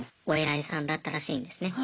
いさんだったらしいんですね。